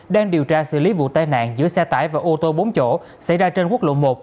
đang điều tra xử lý vụ tai nạn giữa xe tải và ô tô bốn chỗ xảy ra trên quốc lộ một